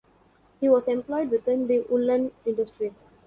He was employed within the woollen industry.